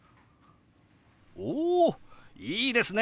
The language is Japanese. おいいですね！